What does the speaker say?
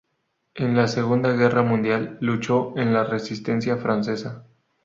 En la Segunda Guerra Mundial luchó en la Resistencia Francesa.